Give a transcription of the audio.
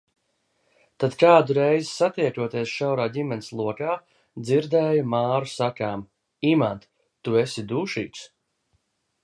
Tad kādu reizi satiekoties šaurā ģimenes lokā, dzirdēju Māru sakām: Imant, Tu esi dūšīgs.